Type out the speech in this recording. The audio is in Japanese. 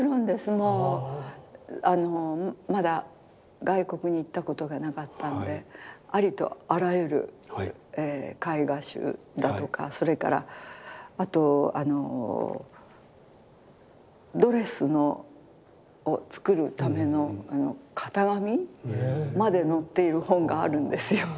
もうまだ外国に行ったことがなかったのでありとあらゆる絵画集だとかそれからあとドレスを作るための型紙まで載っている本があるんですよ。